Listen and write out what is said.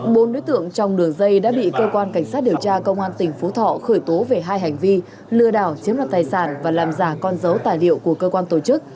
bốn đối tượng trong đường dây đã bị cơ quan cảnh sát điều tra công an tỉnh phú thọ khởi tố về hai hành vi lừa đảo chiếm đoạt tài sản và làm giả con dấu tài liệu của cơ quan tổ chức